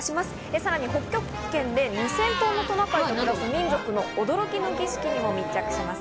さらに北極圏で２０００頭のトナカイと暮らす民族の驚きの儀式にも密着します。